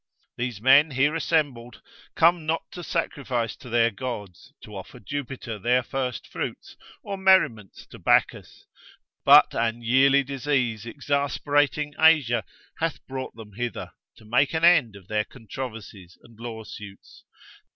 These men here assembled, come not to sacrifice to their gods, to offer Jupiter their first fruits, or merriments to Bacchus; but an yearly disease exasperating Asia hath brought them hither, to make an end of their controversies and lawsuits.